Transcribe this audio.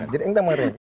jadi kita mengerti